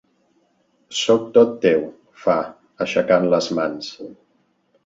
Soc tot teu —fa, aixecant les mans.